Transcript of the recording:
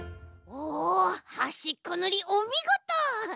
おおはしっこぬりおみごと！